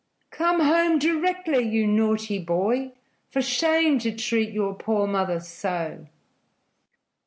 "Come home directly, you naughty boy! For shame, to treat your poor mother so!"